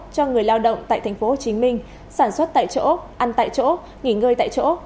cho người lao động tại tp hcm sản xuất tại chỗ ăn tại chỗ nghỉ ngơi tại chỗ